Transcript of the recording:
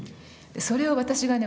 それを私がね